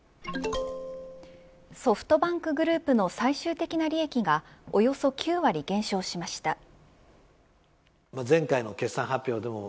ソフトバンクグループの最終的な利益がおよそ９割減少しました。